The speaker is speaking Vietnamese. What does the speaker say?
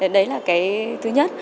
đấy là cái thứ nhất